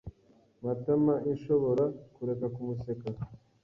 Matamainshobora kureka kumuseka